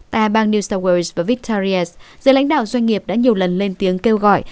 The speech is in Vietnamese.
tại bang new south wales và victoria giới lãnh đạo doanh nghiệp đã nhiều lần lên tiếng kêu gọi